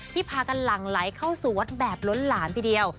พากันหลั่งไหลเข้าสู่วัดแบบล้นหลามทีเดียว